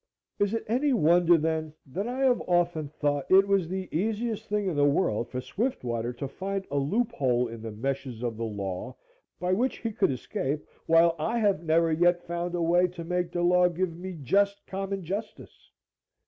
Is it any wonder, then, that I have often thought it was the easiest thing in the world for Swiftwater to find a loophole in the meshes of the law by which he could escape, while I have never yet found a way to make the law give me just common justice?